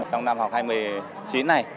trong năm học hai mươi